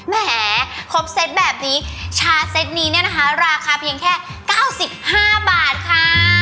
แหมครบเซตแบบนี้ชาเซ็ตนี้เนี่ยนะคะราคาเพียงแค่๙๕บาทค่ะ